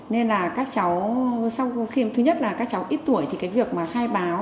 nên là các cháu sau khi thứ nhất là các cháu ít tuổi thì cái việc mà khai báo